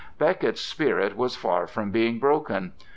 Becket's spirit was far from being broken.